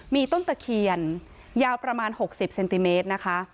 มีต้นตะเคียนยาวประมาณ๖๐เซนติเมตรนะคะ